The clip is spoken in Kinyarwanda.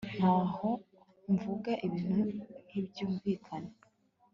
Nkaho mvuga ibintu ntibyumviakne